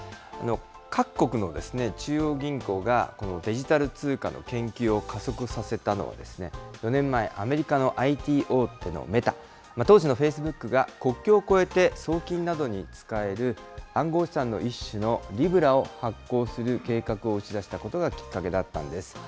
各国の中央銀行が、デジタル通貨の研究を加速させたのは４年前、アメリカのＩＴ大手のメタ、当時のフェイスブックが、国境を越えて送金などに使える暗号資産の一種のリブラを発行する計画を打ち出したことがきっかけだったんです。